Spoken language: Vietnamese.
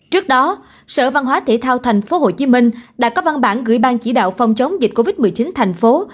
trước đó sở văn hóa thể thao tp hcm đã có văn bản gửi ban chỉ đạo phòng chống dịch covid một mươi chín thành phố